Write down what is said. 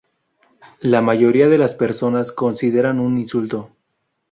La mayoría de las personas consideran un insulto